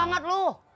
ya nanti ibu